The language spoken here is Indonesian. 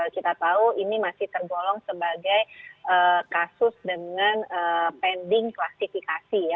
kita tahu ini masih tergolong sebagai kasus dengan pending klasifikasi ya